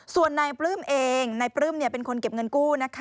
ส่วนในปลื้มเองในปลื้มเนี่ยเป็นคนเก็บเงินกู้นะคะ